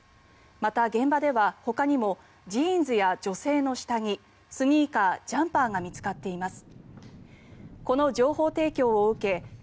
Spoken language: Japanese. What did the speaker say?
また、現場ではほかにもジーンズや女性の下着スニーカー、ジャンパーが見つかっています。